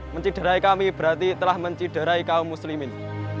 mencidurai kami berarti telah mencidurai kaum muslimin